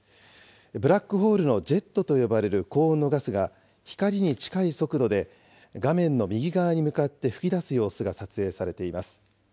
ブラックホールのジェットと呼ばれる高温のガスが、光に近い速度で画面の右側に向かって噴き出す様子が撮影されています。